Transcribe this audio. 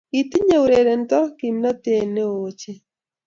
Kitinye urerente kimnotee ne oo ochei.